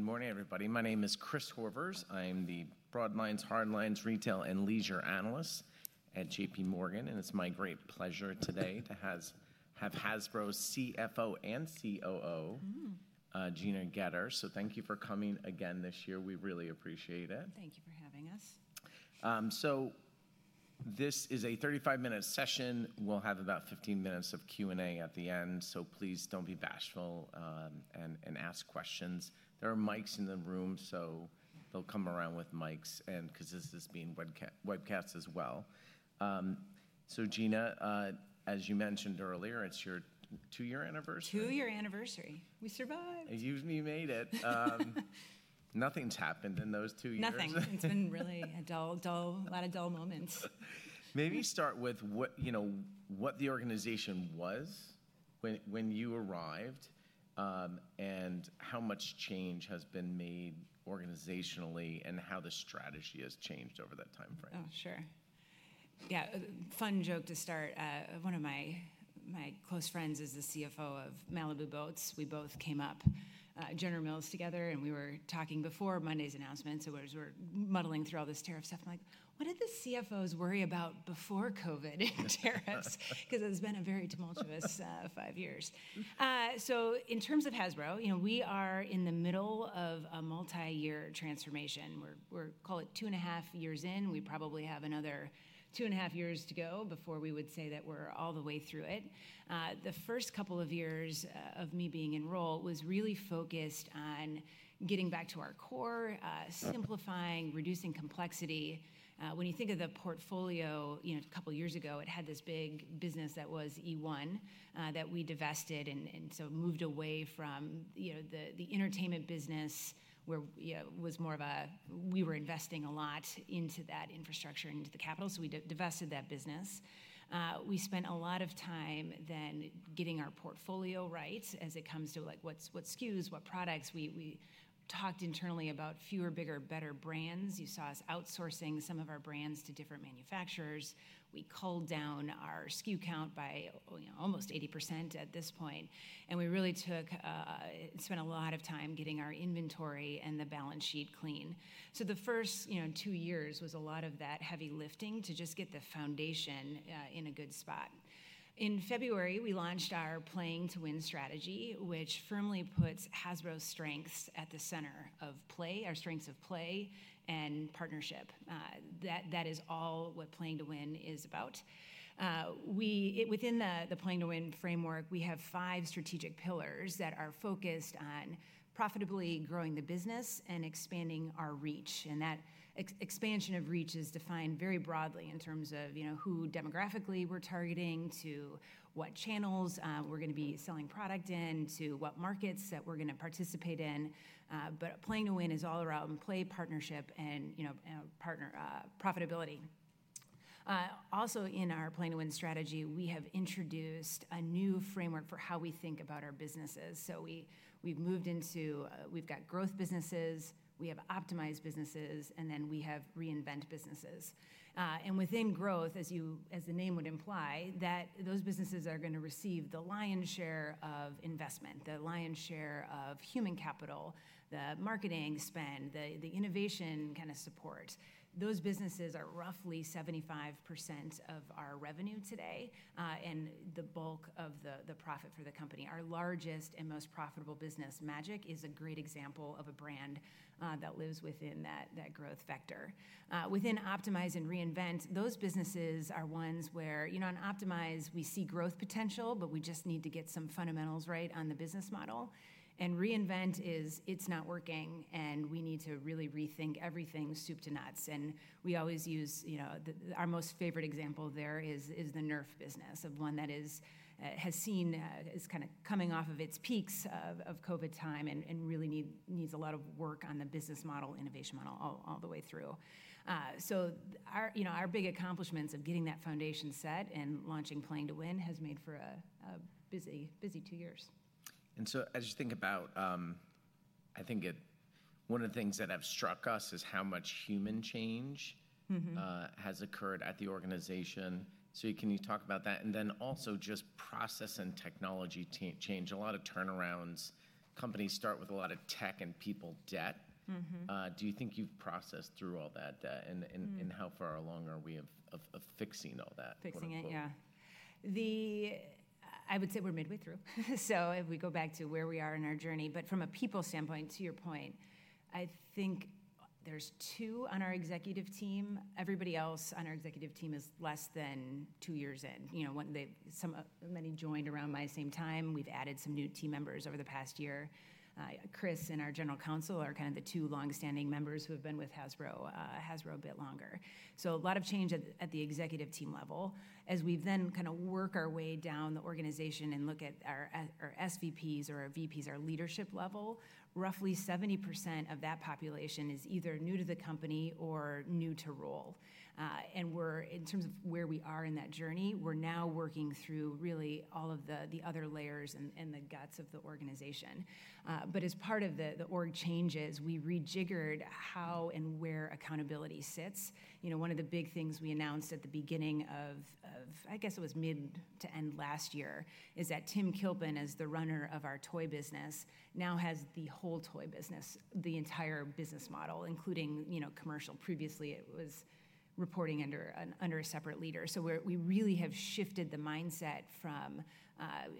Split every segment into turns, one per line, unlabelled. Good? Yes. Good morning, everybody. My name is Chris Horvers. I am the Broadlines, Hardlines, Retail, and Leisure Analyst at JPMorgan, and it's my great pleasure today to have Hasbro's CFO and COO, Gina Goetter. Thank you for coming again this year. We really appreciate it.
Thank you for having us.
This is a 35-minute session. We'll have about 15 minutes of Q&A at the end, so please don't be bashful and ask questions. There are mics in the room, so they'll come around with mics because this is being webcast as well. Gina, as you mentioned earlier, it's your two-year anniversary?
Two-year anniversary. We survived.
You made it. Nothing's happened in those two years.
Nothing. It's been really a dull, a lot of dull moments.
Maybe start with what the organization was when you arrived and how much change has been made organizationally and how the strategy has changed over that time frame.
Oh, sure. Yeah. Fun joke to start. One of my close friends is the CFO of Malibu Boats. We both came up at General Mills together, and we were talking before Monday's announcement. We were muddling through all this tariff stuff. I'm like, what did the CFOs worry about before COVID tariffs? Because it has been a very tumultuous five years. In terms of Hasbro, we are in the middle of a multi-year transformation. We're, call it, two and a half years in. We probably have another two and a half years to go before we would say that we're all the way through it. The first couple of years of me being in role was really focused on getting back to our core, simplifying, reducing complexity. When you think of the portfolio, a couple of years ago, it had this big business that was eOne that we divested and moved away from the entertainment business, where it was more of a we were investing a lot into that infrastructure and into the capital. We divested that business. We spent a lot of time then getting our portfolio right as it comes to what SKUs, what products. We talked internally about fewer, bigger, better brands. You saw us outsourcing some of our brands to different manufacturers. We culled down our SKU count by almost 80% at this point. We really spent a lot of time getting our inventory and the balance sheet clean. The first two years was a lot of that heavy lifting to just get the foundation in a good spot. In February, we Playing to win strategy, which firmly puts Hasbro's strengths at the center of play, our strengths of play and partnership. That is Playing to win is about. Playing to win framework, we have five strategic pillars that are focused on profitably growing the business and expanding our reach. That expansion of reach is defined very broadly in terms of who demographically we're targeting, to what channels we're going to be selling product in, to what markets that we're going to Playing to win is all around play partnership and profitability. Also, Playing to win strategy, we have introduced a new framework for how we think about our businesses. We have moved into we've got growth businesses, we have optimized businesses, and then we have reinvent businesses. Within growth, as the name would imply, those businesses are going to receive the lion's share of investment, the lion's share of human capital, the marketing spend, the innovation kind of support. Those businesses are roughly 75% of our revenue today and the bulk of the profit for the company. Our largest and most profitable business, Magic, is a great example of a brand that lives within that growth vector. Within optimize and reinvent, those businesses are ones where on optimize, we see growth potential, but we just need to get some fundamentals right on the business model. Reinvent is it's not working, and we need to really rethink everything soup to nuts. We always use our most favorite example there, the Nerf business, as one that has seen it is kind of coming off of its peaks of COVID time and really needs a lot of work on the business model, innovation model, all the way through. Our big accomplishments of getting that foundation set Playing to win has made for a busy two years.
As you think about, I think one of the things that have struck us is how much human change has occurred at the organization. Can you talk about that? Also, just process and technology change, a lot of turnarounds. Companies start with a lot of tech and people debt. Do you think you've processed through all that, and how far along are we of fixing all that?
Fixing it, yeah. I would say we're midway through. If we go back to where we are in our journey. From a people standpoint, to your point, I think there's two on our executive team. Everybody else on our executive team is less than two years in. Many joined around my same time. We've added some new team members over the past year. Chris and our general counsel are kind of the two longstanding members who have been with Hasbro a bit longer. A lot of change at the executive team level. As we then kind of work our way down the organization and look at our SVPs or our VPs, our leadership level, roughly 70% of that population is either new to the company or new to role. In terms of where we are in that journey, we're now working through really all of the other layers and the guts of the organization. As part of the org changes, we rejiggered how and where accountability sits. One of the big things we announced at the beginning of, I guess it was mid to end last year, is that Tim Kilpin, as the runner of our toy business, now has the whole toy business, the entire business model, including commercial. Previously, it was reporting under a separate leader. We really have shifted the mindset from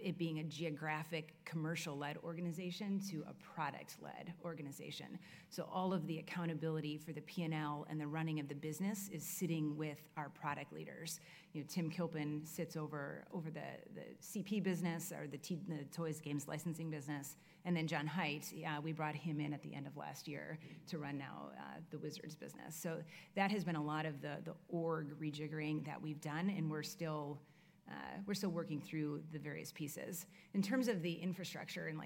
it being a geographic commercial-led organization to a product-led organization. All of the accountability for the P&L and the running of the business is sitting with our product leaders. Tim Kilpin sits over the CP business or the toys, games, licensing business. John Hight, we brought him in at the end of last year to run now the Wizards business. That has been a lot of the org rejiggering that we've done, and we're still working through the various pieces. In terms of the infrastructure and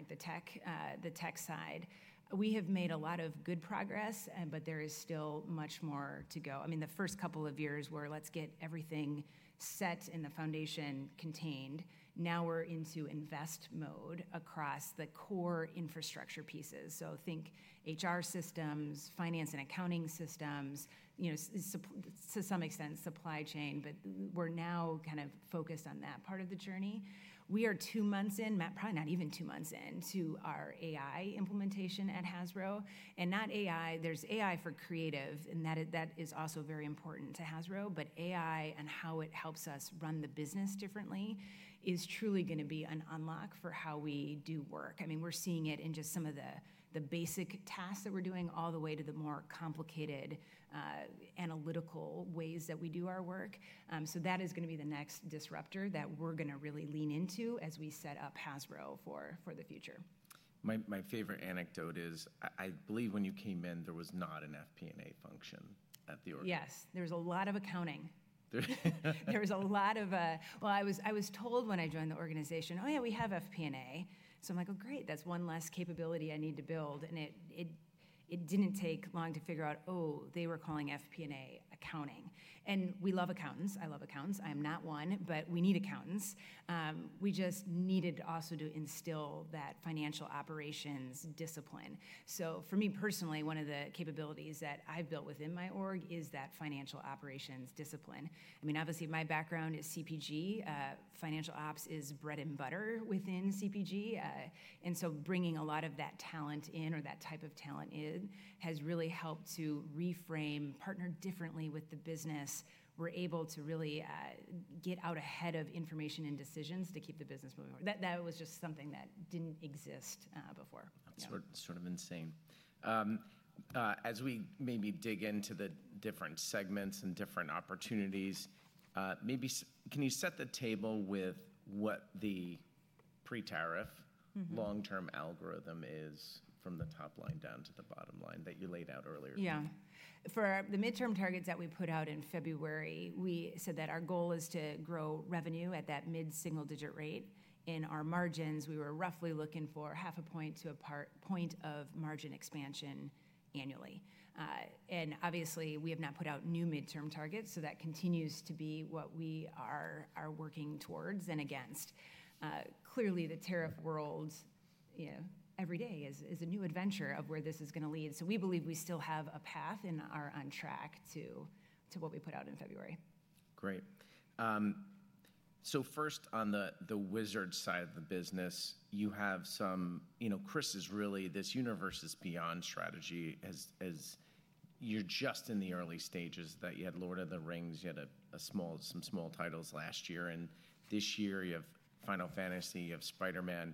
the tech side, we have made a lot of good progress, but there is still much more to go. I mean, the first couple of years were let's get everything set and the foundation contained. Now we're into invest mode across the core infrastructure pieces. Think HR systems, finance and accounting systems, to some extent supply chain. We're now kind of focused on that part of the journey. We are two months in, probably not even two months in, to our AI implementation at Hasbro. Not AI, there's AI for creative, and that is also very important to Hasbro. AI and how it helps us run the business differently is truly going to be an unlock for how we do work. I mean, we're seeing it in just some of the basic tasks that we're doing all the way to the more complicated analytical ways that we do our work. That is going to be the next disruptor that we're going to really lean into as we set up Hasbro for the future.
My favorite anecdote is I believe when you came in, there was not an FP&A function at the org.
Yes. There was a lot of accounting. There was a lot of, well, I was told when I joined the organization, oh yeah, we have FP&A. So I'm like, oh great, that's one less capability I need to build. It didn't take long to figure out, oh, they were calling FP&A accounting. We love accountants. I love accountants. I am not one, but we need accountants. We just needed also to instill that financial operations discipline. For me personally, one of the capabilities that I've built within my org is that financial operations discipline. I mean, obviously, my background is CPG. Financial ops is bread and butter within CPG. Bringing a lot of that talent in or that type of talent in has really helped to reframe, partner differently with the business. We're able to really get out ahead of information and decisions to keep the business moving. That was just something that didn't exist before.
That's sort of insane. As we maybe dig into the different segments and different opportunities, maybe can you set the table with what the pre-tariff long-term algorithm is from the top line down to the bottom line that you laid out earlier?
Yeah. For the midterm targets that we put out in February, we said that our goal is to grow revenue at that mid-single digit rate. In our margins, we were roughly looking for half a point to a point of margin expansion annually. Obviously, we have not put out new midterm targets, so that continues to be what we are working towards and against. Clearly, the tariff world every day is a new adventure of where this is going to lead. We believe we still have a path and are on track to what we put out in February.
Great. First, on the Wizards side of the business, you have some Chris is really this Universes Beyond strategy. You are just in the early stages that you had Lord of the Rings. You had some small titles last year. This year, you have Final Fantasy, you have Spider-Man.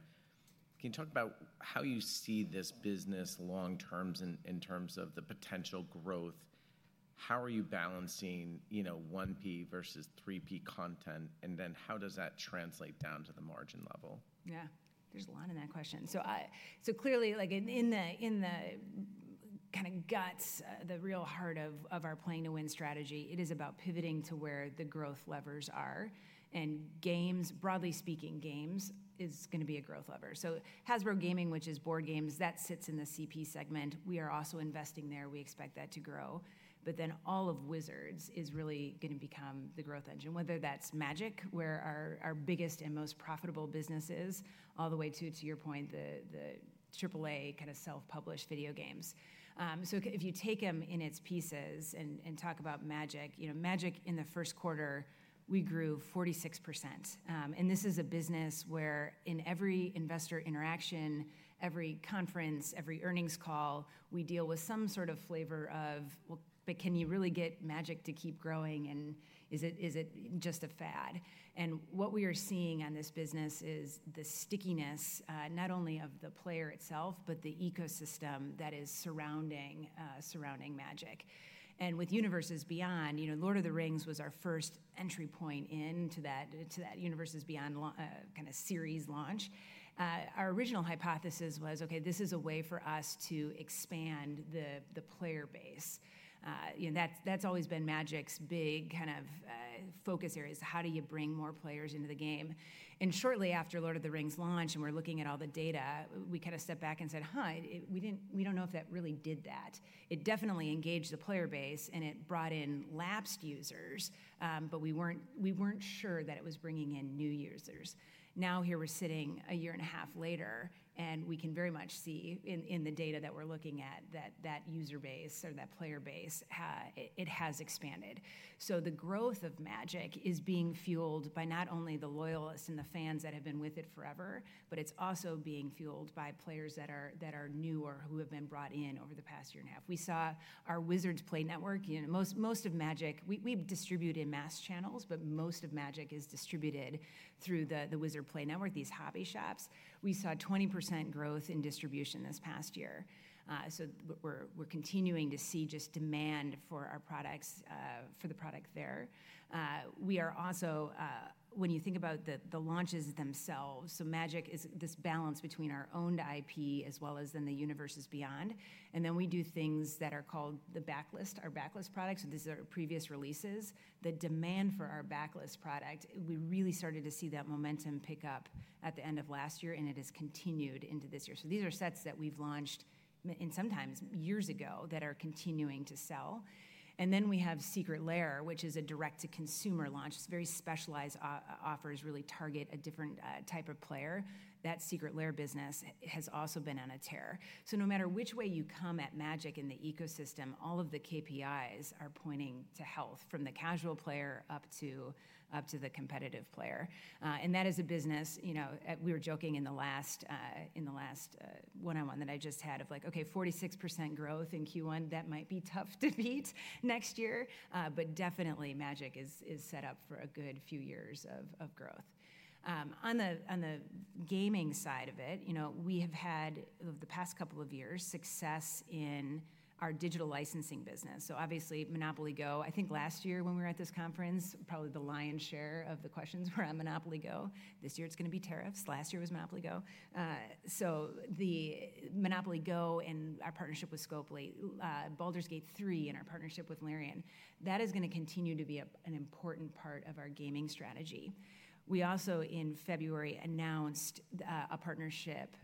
Can you talk about how you see this business long-term in terms of the potential growth? How are you balancing 1P versus 3P content? How does that translate down to the margin level?
Yeah. There is a lot in that question. Clearly, in the kind of guts, the real heart Playing to win strategy, it is about pivoting to where the growth levers are. Games, broadly speaking, games is going to be a growth lever. Hasbro Gaming, which is board games, that sits in the CP segment. We are also investing there. We expect that to grow. All of Wizards is really going to become the growth engine, whether that is Magic, where our biggest and most profitable business is, all the way to, to your point, the AAA kind of self-published video games. If you take them in its pieces and talk about Magic, Magic in the first quarter, we grew 46%. This is a business where in every investor interaction, every conference, every earnings call, we deal with some sort of flavor of, well, can you really get Magic to keep growing? Is it just a fad? What we are seeing on this business is the stickiness not only of the player itself, but the ecosystem that is surrounding Magic. With Universes Beyond, Lord of the Rings was our first entry point into that Universes Beyond kind of series launch. Our original hypothesis was, okay, this is a way for us to expand the player base. That has always been Magic's big kind of focus areas. How do you bring more players into the game? Shortly after Lord of the Rings launched, and we are looking at all the data, we kind of stepped back and said, huh, we do not know if that really did that. It definitely engaged the player base, and it brought in lapsed users, but we were not sure that it was bringing in new users. Now here we are sitting a year and a half later, and we can very much see in the data that we are looking at that user base or that player base, it has expanded. The growth of Magic is being fueled by not only the loyalists and the fans that have been with it forever, but it is also being fueled by players that are new or who have been brought in over the past year and a half. We saw our Wizards Play Network. Most of Magic, we distribute in mass channels, but most of Magic is distributed through the Wizards Play Network, these hobby shops. We saw 20% growth in distribution this past year. We are continuing to see just demand for the product there. We are also, when you think about the launches themselves, Magic is this balance between our owned IP as well as then the Universes Beyond. We do things that are called the backlist, our backlist products. These are previous releases. The demand for our backlist product, we really started to see that momentum pick up at the end of last year, and it has continued into this year. These are sets that we have launched sometimes years ago that are continuing to sell. We have Secret Lair, which is a direct-to-consumer launch. It is very specialized offers, really target a different type of player. That Secret Lair business has also been on a tear. No matter which way you come at Magic in the ecosystem, all of the KPIs are pointing to health from the casual player up to the competitive player. That is a business we were joking in the last one-on-one that I just had of like, okay, 46% growth in Q1, that might be tough to beat next year. Definitely Magic is set up for a good few years of growth. On the gaming side of it, we have had over the past couple of years success in our digital licensing business. Obviously, MONOPOLY GO, I think last year when we were at this conference, probably the lion's share of the questions were on MONOPOLY GO. This year it's going to be tariffs. Last year was MONOPOLY GO. MONOPOLY GO and our partnership with Scopely, Baldur's Gate 3 and our partnership with Larian, that is going to continue to be an important part of our gaming strategy. We also in February announced a partnership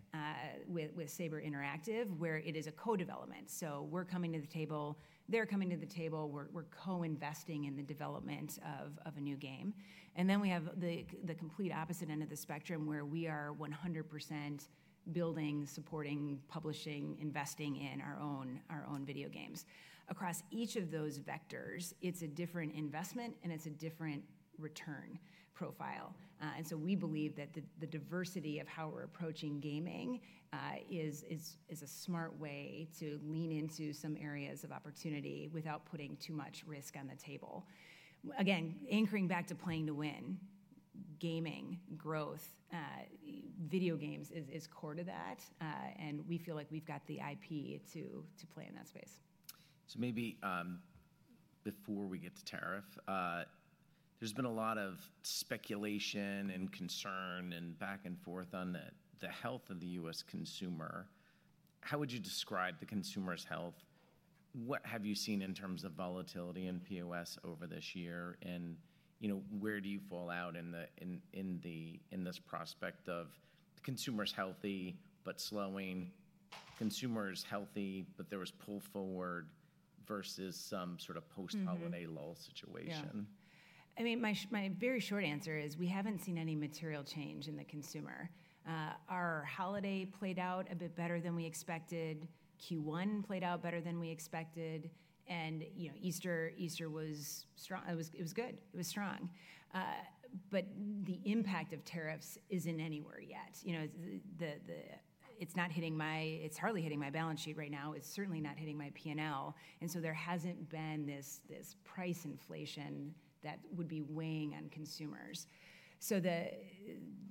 with Saber Interactive where it is a co-development. We're coming to the table, they're coming to the table, we're co-investing in the development of a new game. Then we have the complete opposite end of the spectrum where we are 100% building, supporting, publishing, investing in our own video games. Across each of those vectors, it's a different investment and it's a different return profile. We believe that the diversity of how we're approaching gaming is a smart way to lean into some areas of opportunity without putting too much risk on the table. Again, anchoring Playing to win, gaming, growth, video games is core to that. We feel like we've got the IP to play in that space.
Maybe before we get to tariff, there has been a lot of speculation and concern and back and forth on the health of the U.S. consumer. How would you describe the consumer's health? What have you seen in terms of volatility in POS over this year? Where do you fall out in this prospect of consumer's healthy but slowing, consumer's healthy but there was pull forward versus some sort of post-holiday lull situation?
Yeah. I mean, my very short answer is we haven't seen any material change in the consumer. Our holiday played out a bit better than we expected. Q1 played out better than we expected. Easter was strong. It was good. It was strong. The impact of tariffs isn't anywhere yet. It's not hitting my, it's hardly hitting my balance sheet right now. It's certainly not hitting my P&L. There hasn't been this price inflation that would be weighing on consumers.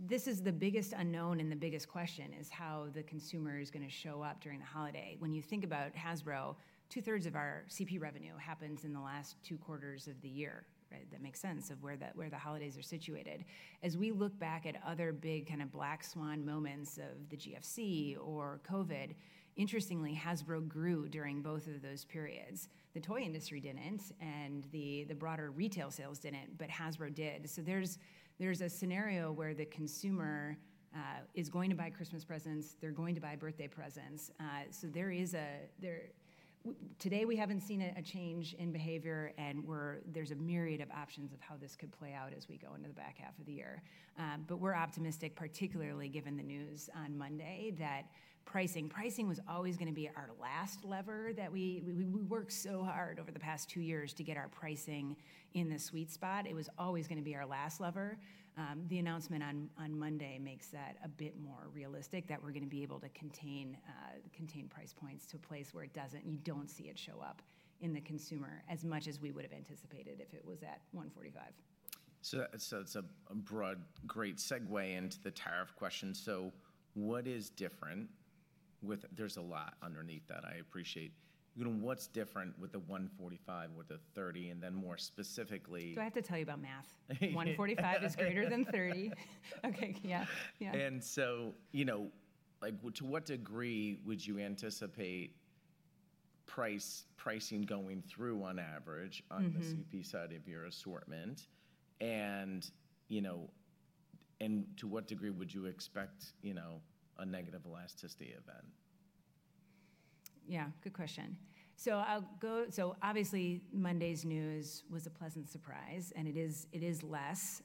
This is the biggest unknown and the biggest question is how the consumer is going to show up during the holiday. When you think about Hasbro, two thirds of our CP revenue happens in the last two quarters of the year. That makes sense of where the holidays are situated. As we look back at other big kind of black swan moments of the GFC or COVID, interestingly, Hasbro grew during both of those periods. The toy industry did not and the broader retail sales did not, but Hasbro did. There is a scenario where the consumer is going to buy Christmas presents, they are going to buy birthday presents. Today we have not seen a change in behavior and there is a myriad of options of how this could play out as we go into the back half of the year. We are optimistic, particularly given the news on Monday that pricing was always going to be our last lever. We worked so hard over the past two years to get our pricing in the sweet spot. It was always going to be our last lever. The announcement on Monday makes that a bit more realistic that we're going to be able to contain price points to a place where you don't see it show up in the consumer as much as we would have anticipated if it was at 145.
It's a broad, great segue into the tariff question. What is different with there's a lot underneath that. I appreciate what's different with the 145, with the 30, and then more specifically.
Do I have to tell you about math? 145 is greater than 30. Okay. Yeah. Yeah.
To what degree would you anticipate pricing going through on average on the CP side of your assortment? To what degree would you expect a negative elasticity event?
Yeah. Good question. Obviously, Monday's news was a pleasant surprise. It is less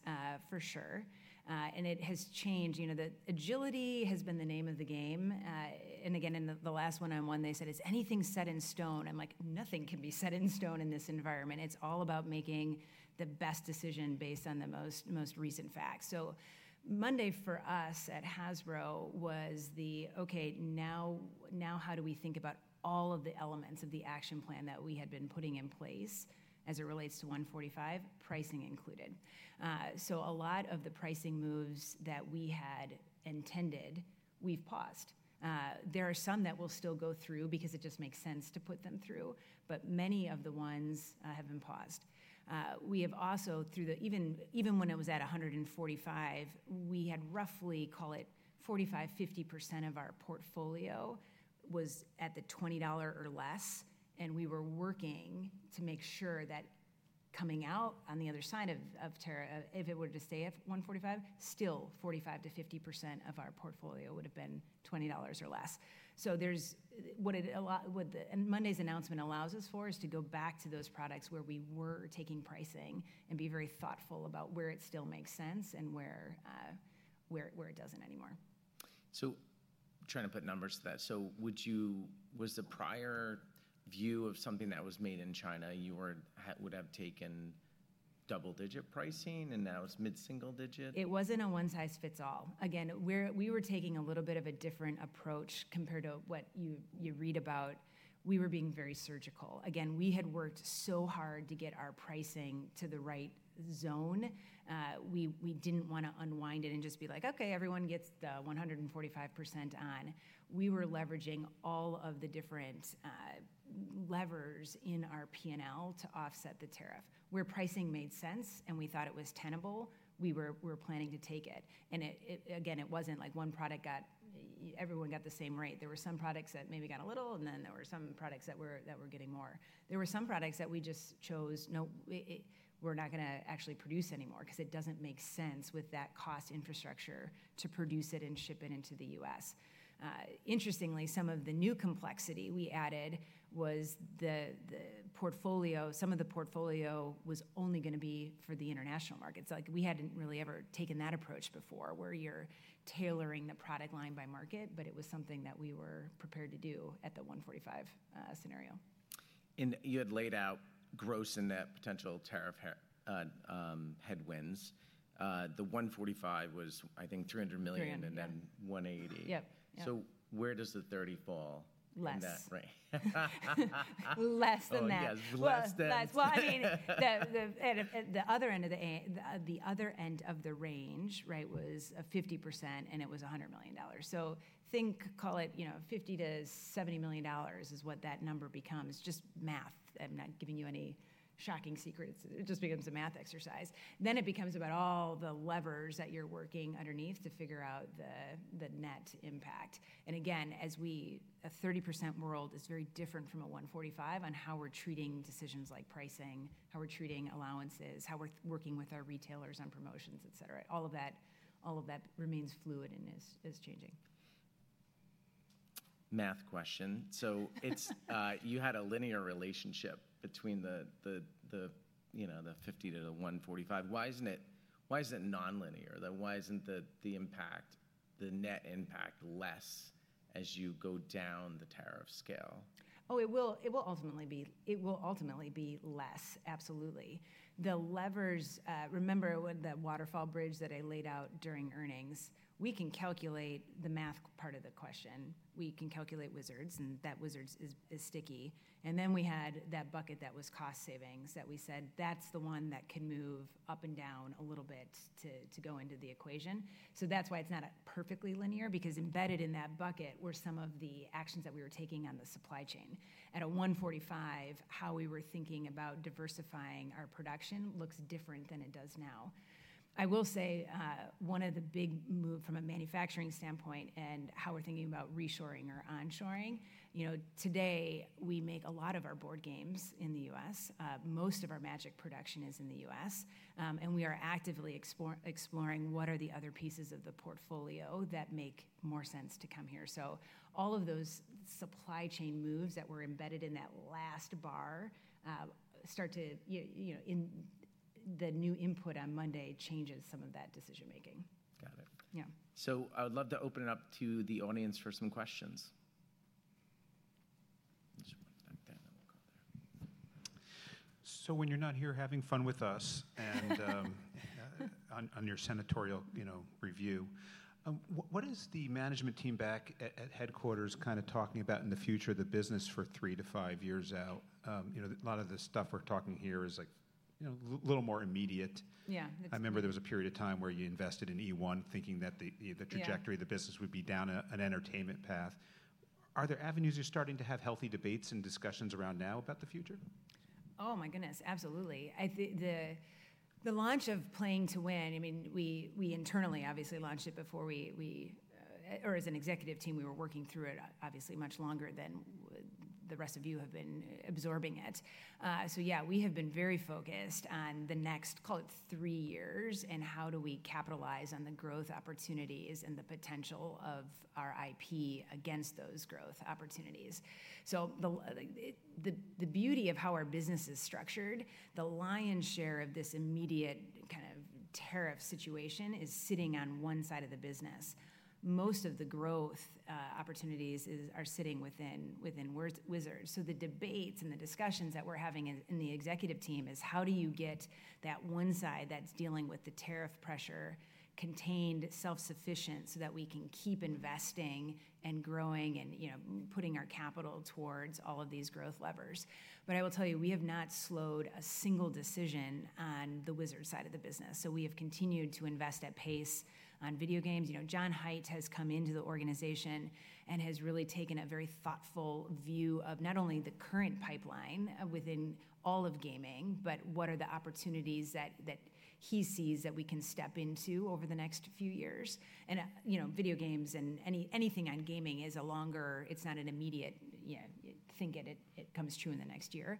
for sure. It has changed. Agility has been the name of the game. Again, in the last one-on-one, they said, is anything set in stone? I'm like, nothing can be set in stone in this environment. It's all about making the best decision based on the most recent facts. Monday for us at Hasbro was the, okay, now how do we think about all of the elements of the action plan that we had been putting in place as it relates to 145, pricing included. A lot of the pricing moves that we had intended, we've paused. There are some that will still go through because it just makes sense to put them through. Many of the ones have been paused. We have also, through the even when it was at 145, we had roughly, call it, 45%-50% of our portfolio was at the $20 or less. We were working to make sure that coming out on the other side of if it were to stay at 145, still 45%-50% of our portfolio would have been $20 or less. What Monday's announcement allows us for is to go back to those products where we were taking pricing and be very thoughtful about where it still makes sense and where it does not anymore.
Trying to put numbers to that. Was the prior view of something that was made in China, you would have taken double-digit pricing and now it's mid-single digit?
It wasn't a one-size-fits-all. Again, we were taking a little bit of a different approach compared to what you read about. We were being very surgical. Again, we had worked so hard to get our pricing to the right zone. We didn't want to unwind it and just be like, okay, everyone gets the 145% on. We were leveraging all of the different levers in our P&L to offset the tariff. Where pricing made sense and we thought it was tenable, we were planning to take it. Again, it wasn't like one product got everyone got the same rate. There were some products that maybe got a little and then there were some products that were getting more. There were some products that we just chose, no, we're not going to actually produce anymore because it does not make sense with that cost infrastructure to produce it and ship it into the U.S. Interestingly, some of the new complexity we added was the portfolio. Some of the portfolio was only going to be for the international markets. We had not really ever taken that approach before where you're tailoring the product line by market, but it was something that we were prepared to do at the 145 scenario.
You had laid out gross in that potential tariff headwinds. The 145 was, I think, $300 million and then $180 million.
Yep.
Where does the 30 fall?
Less.
In that range.
Less than that.
Oh yes. Less than that.
I mean, the other end of the range, right, was 50% and it was $100 million. So think, call it $50-$70 million is what that number becomes. Just math. I'm not giving you any shocking secrets. It just becomes a math exercise. It becomes about all the levers that you're working underneath to figure out the net impact. Again, as we, a 30% world is very different from a 145 on how we're treating decisions like pricing, how we're treating allowances, how we're working with our retailers on promotions, et cetera. All of that remains fluid and is changing.
Math question. So you had a linear relationship between the 50 to the 145. Why isn't it non-linear? Why isn't the impact, the net impact less as you go down the tariff scale?
Oh, it will ultimately be less. Absolutely. The levers, remember the waterfall bridge that I laid out during earnings, we can calculate the math part of the question. We can calculate Wizards and that Wizards is sticky. And then we had that bucket that was cost savings that we said, that's the one that can move up and down a little bit to go into the equation. That is why it's not perfectly linear because embedded in that bucket were some of the actions that we were taking on the supply chain. At 145, how we were thinking about diversifying our production looks different than it does now. I will say one of the big moves from a manufacturing standpoint and how we're thinking about reshoring or onshoring, today we make a lot of our board games in the U.S.. Most of our Magic production is in the U.S.. We are actively exploring what are the other pieces of the portfolio that make more sense to come here. All of those supply chain moves that were embedded in that last bar start to the new input on Monday changes some of that decision-making.
Got it.
Yeah.
I would love to open it up to the audience for some questions.
When you're not here having fun with us and on your senatorial review, what is the management team back at headquarters kind of talking about in the future of the business for 3-5 years out? A lot of the stuff we're talking here is a little more immediate.
Yeah.
I remember there was a period of time where you invested in eOne thinking that the trajectory of the business would be down an entertainment path. Are there avenues you're starting to have healthy debates and discussions around now about the future?
Oh my goodness. Absolutely. The Playing to win, i mean, we internally obviously launched it before we or as an executive team, we were working through it obviously much longer than the rest of you have been absorbing it. Yeah, we have been very focused on the next, call it three years and how do we capitalize on the growth opportunities and the potential of our IP against those growth opportunities. The beauty of how our business is structured, the lion's share of this immediate kind of tariff situation is sitting on one side of the business. Most of the growth opportunities are sitting within Wizards. The debates and the discussions that we're having in the executive team is how do you get that one side that's dealing with the tariff pressure contained, self-sufficient so that we can keep investing and growing and putting our capital towards all of these growth levers. I will tell you, we have not slowed a single decision on the Wizards side of the business. We have continued to invest at pace on video games. John Hight has come into the organization and has really taken a very thoughtful view of not only the current pipeline within all of gaming, but what are the opportunities that he sees that we can step into over the next few years. Video games and anything on gaming is a longer, it's not an immediate thing that it comes true in the next year.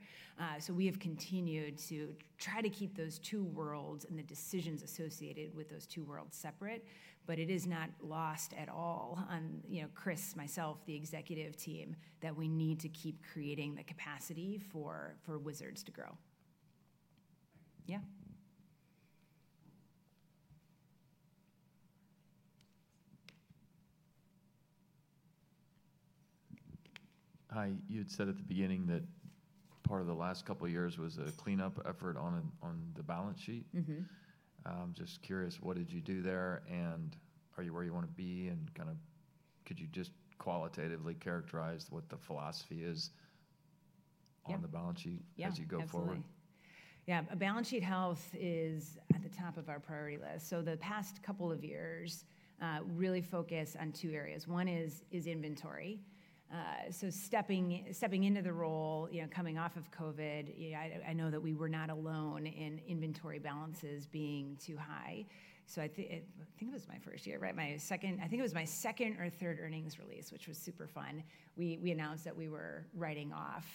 We have continued to try to keep those two worlds and the decisions associated with those two worlds separate, but it is not lost at all on Chris, myself, the executive team that we need to keep creating the capacity for Wizards to grow. Yeah.
Hi. You had said at the beginning that part of the last couple of years was a cleanup effort on the balance sheet. Just curious, what did you do there and are you where you want to be? Could you just qualitatively characterize what the philosophy is on the balance sheet as you go forward?
Yeah. Absolutely. Yeah. Balance sheet health is at the top of our priority list. The past couple of years really focused on two areas. One is inventory. Stepping into the role, coming off of COVID, I know that we were not alone in inventory balances being too high. I think it was my first year, right? I think it was my second or third earnings release, which was super fun. We announced that we were writing off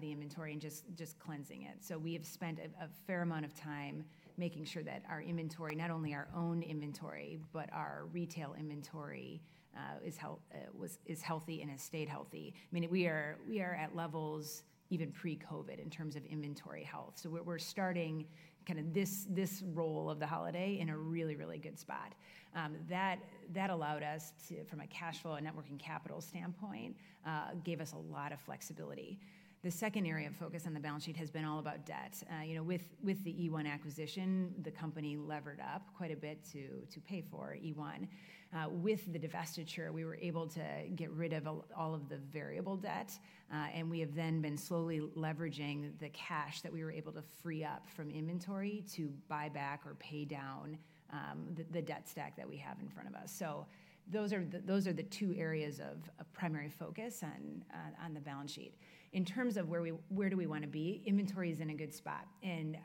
the inventory and just cleansing it. We have spent a fair amount of time making sure that our inventory, not only our own inventory, but our retail inventory is healthy and has stayed healthy. I mean, we are at levels even pre-COVID in terms of inventory health. We are starting kind of this role of the holiday in a really, really good spot. That allowed us from a cash flow and net working capital standpoint, gave us a lot of flexibility. The second area of focus on the balance sheet has been all about debt. With the eOne acquisition, the company levered up quite a bit to pay for eOne. With the divestiture, we were able to get rid of all of the variable debt. We have then been slowly leveraging the cash that we were able to free up from inventory to buy back or pay down the debt stack that we have in front of us. Those are the two areas of primary focus on the balance sheet. In terms of where do we want to be, inventory is in a good spot.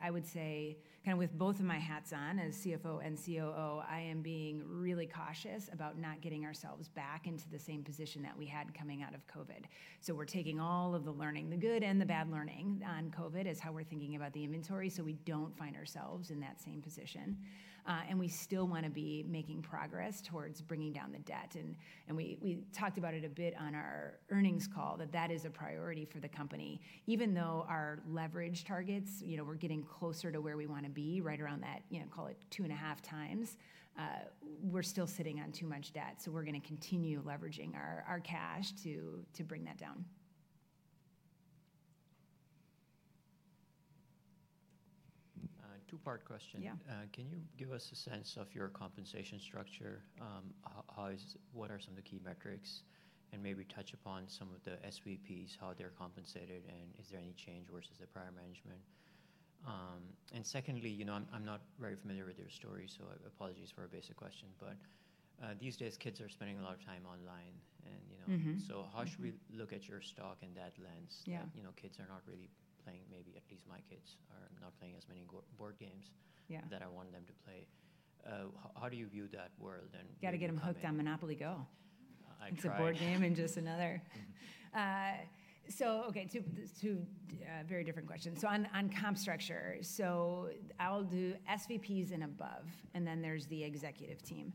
I would say kind of with both of my hats on as CFO and COO, I am being really cautious about not getting ourselves back into the same position that we had coming out of COVID. We are taking all of the learning, the good and the bad learning on COVID as how we are thinking about the inventory so we do not find ourselves in that same position. We still want to be making progress towards bringing down the debt. We talked about it a bit on our earnings call that that is a priority for the company. Even though our leverage targets, we are getting closer to where we want to be right around that, call it two and a half times, we are still sitting on too much debt. We are going to continue leveraging our cash to bring that down.
Two-part question. Can you give us a sense of your compensation structure? What are some of the key metrics? Maybe touch upon some of the SVPs, how they're compensated, and is there any change versus the prior management? Secondly, I'm not very familiar with your story, so apologies for a basic question, but these days kids are spending a lot of time online. How should we look at your stock in that lens? Kids are not really playing, maybe at least my kids are not playing as many board games that I want them to play. How do you view that world?
You got to get them hooked on MONOPOLY GO. It's a board game and just another. Okay, two very different questions. On comp structure, I'll do SVPs and above, and then there's the executive team.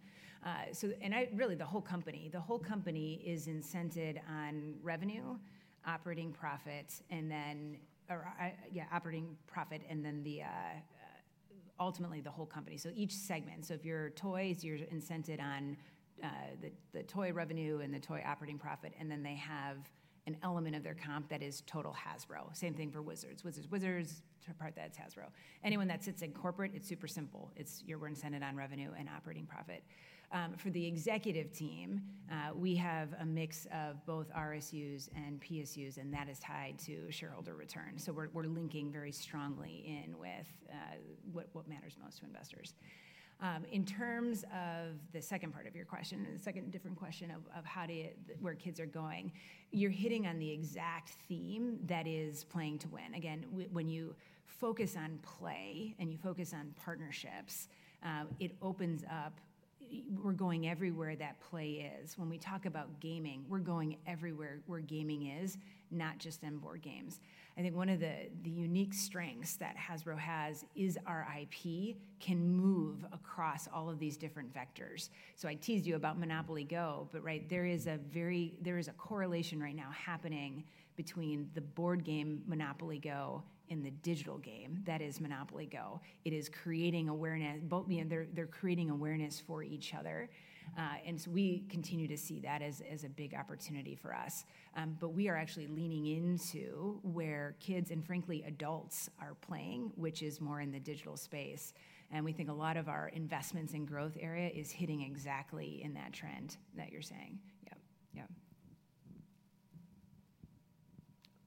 Really the whole company. The whole company is incented on revenue, operating profit, and then, yeah, operating profit, and then ultimately the whole company. Each segment, if you're toys, you're incented on the toy revenue and the toy operating profit, and then they have an element of their comp that is total Hasbro. Same thing for Wizards. Wizards, part that's Hasbro. Anyone that sits in corporate, it's super simple. You're incented on revenue and operating profit. For the executive team, we have a mix of both RSUs and PSUs, and that is tied to shareholder return. We're linking very strongly in with what matters most to investors. In terms of the second part of your question, the second different question of where kids are going, you're hitting on the exact theme that is Playing to win. Again, when you focus on play and you focus on partnerships, it opens up. We're going everywhere that play is. When we talk about gaming, we're going everywhere where gaming is, not just in board games. I think one of the unique strengths that Hasbro has is our IP can move across all of these different vectors. I teased you about MONOPOLY GO, but right, there is a correlation right now happening between the board game MONOPOLY GO and the digital game that is MONOPOLY GO. It is creating awareness. They're creating awareness for each other. We continue to see that as a big opportunity for us. We are actually leaning into where kids and, frankly, adults are playing, which is more in the digital space. We think a lot of our investments in growth area is hitting exactly in that trend that you are saying. Yep. Yep.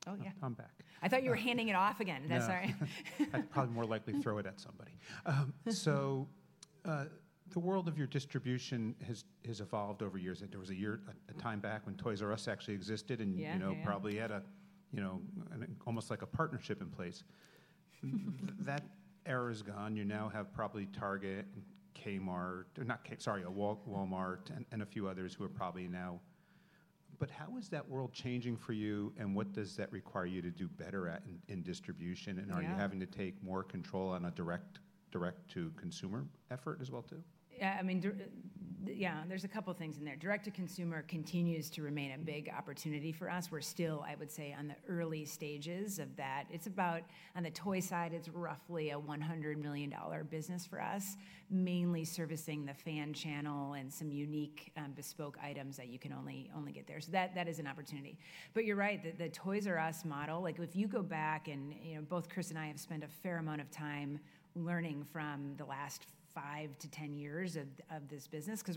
Oh yeah.
I'm back.
I thought you were handing it off again. That's all right.
I'd probably more likely throw it at somebody. The world of your distribution has evolved over years. There was a time back when Toys"R"Us actually existed and probably had almost like a partnership in place. That era is gone. You now have probably Target, Kmart, not K, sorry, Walmart and a few others who are probably now. How is that world changing for you and what does that require you to do better at in distribution? Are you having to take more control on a direct-to-consumer effort as well too?
Yeah. I mean, yeah, there's a couple of things in there. Direct-to-consumer continues to remain a big opportunity for us. We're still, I would say, on the early stages of that. It's about, on the toy side, it's roughly a $100 million business for us, mainly servicing the fan channel and some unique bespoke items that you can only get there. That is an opportunity. You're right, the Toys"R"Us model, if you go back, and both Chris and I have spent a fair amount of time learning from the last 5-10 years of this business, because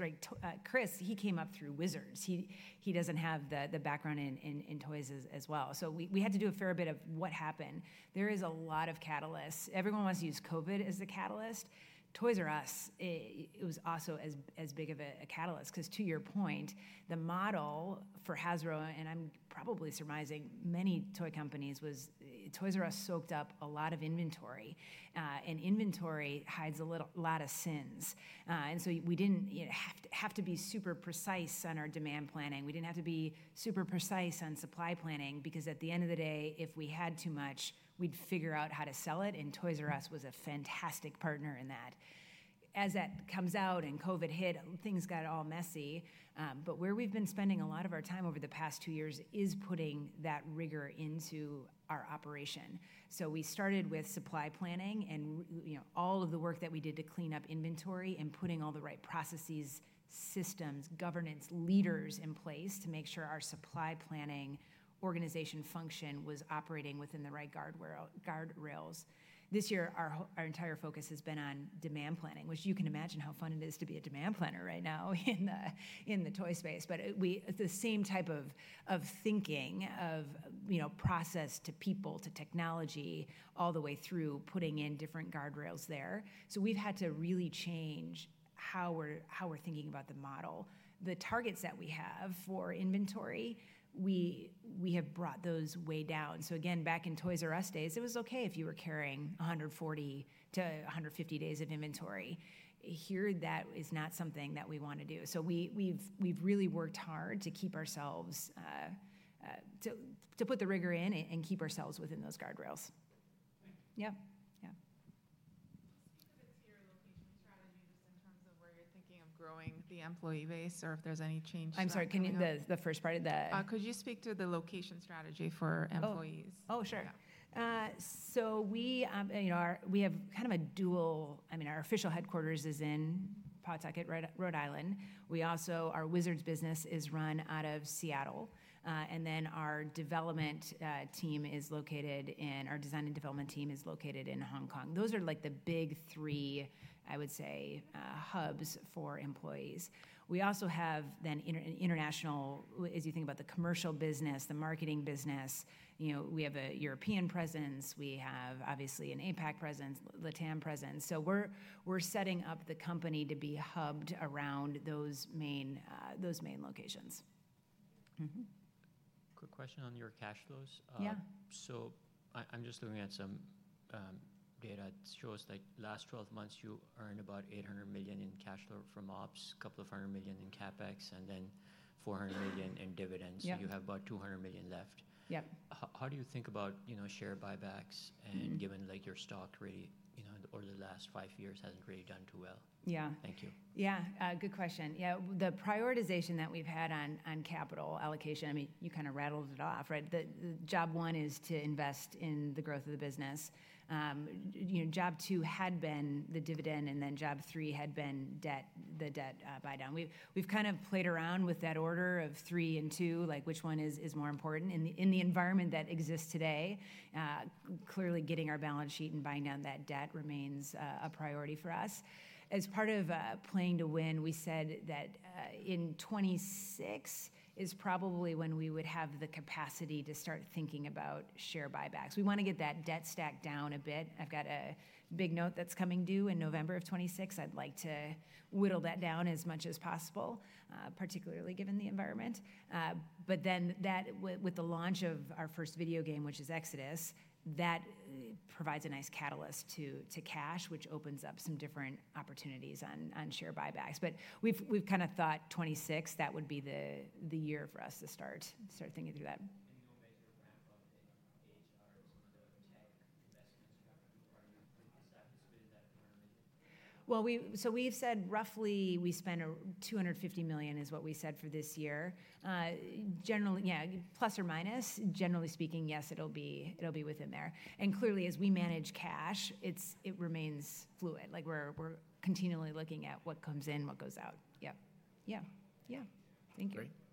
Chris, he came up through Wizards. He doesn't have the background in toys as well. We had to do a fair bit of what happened. There is a lot of catalysts. Everyone wants to use COVID as a catalyst. Toys"R"Us, it was also as big of a catalyst because to your point, the model for Hasbro and I'm probably surmising many toy companies was Toys"R"Us soaked up a lot of inventory. Inventory hides a lot of sins. We didn't have to be super precise on our demand planning. We didn't have to be super precise on supply planning because at the end of the day, if we had too much, we'd figure out how to sell it. Toys"R"Us was a fantastic partner in that. As that comes out and COVID hit, things got all messy. Where we've been spending a lot of our time over the past two years is putting that rigor into our operation. We started with supply planning and all of the work that we did to clean up inventory and putting all the right processes, systems, governance leaders in place to make sure our supply planning organization function was operating within the right guardrails. This year, our entire focus has been on demand planning, which you can imagine how fun it is to be a demand planner right now in the toy space. The same type of thinking of process to people, to technology, all the way through putting in different guardrails there. We have had to really change how we are thinking about the model. The targets that we have for inventory, we have brought those way down. Again, back in Toys"R"Us days, it was okay if you were carrying 140-150 days of inventory. Here, that is not something that we want to do. We've really worked hard to keep ourselves, to put the rigor in and keep ourselves within those guardrails. Yep. Yeah.
[Speak of its year location strategy] just in terms of where you're thinking of growing the employee base or if there's any change to that.
I'm sorry, can you repeat the first part of that?
Could you speak to the location strategy for employees?
Oh, sure. So we have kind of a dual, I mean, our official headquarters is in Pawtucket, Rhode Island. Our Wizards business is run out of Seattle. And then our development team is located in, our design and development team is located in Hong Kong. Those are like the big three, I would say, hubs for employees. We also have then international, as you think about the commercial business, the marketing business. We have a European presence. We have obviously an APAC presence, LATAM presence. So we're setting up the company to be hubbed around those main locations.
Quick question on your cash flows. So I'm just looking at some data that shows like last 12 months you earned about $800 million in cash flow from ops, a couple of hundred million in CapEx, and then $400 million in dividends. You have about $200 million left. How do you think about share buybacks and given your stock really, over the last five years, hasn't really done too well?
Yeah.
Thank you.
Yeah. Good question. Yeah. The prioritization that we've had on capital allocation, I mean, you kind of rattled it off, right? Job one is to invest in the growth of the business. Job two had been the dividend and then job three had been the debt buydown. We've kind of played around with that order of three and two, like which one is more important. In the environment that exists today, clearly getting our balance sheet and buying down that debt remains a priority for us. As Playing to win, we said that in 2026 is probably when we would have the capacity to start thinking about share buybacks. We want to get that debt stacked down a bit. I've got a big note that's coming due in November of 2026. I'd like to whittle that down as much as possible, particularly given the environment. Then that with the launch of our first video game, which is Exodus, that provides a nice catalyst to cash, which opens up some different opportunities on share buybacks. We have kind of thought 2026 that would be the year for us to start thinking through that.
In your major ramp up, HR, some of the tech investments, [are expect to spend that $200 million?]
We have said roughly we spend $250 million is what we said for this year. Generally, yeah, plus or minus, generally speaking, yes, it will be within there. Clearly, as we manage cash, it remains fluid. We are continually looking at what comes in, what goes out. Yep. Yeah. Thank you.
Great. Thanks.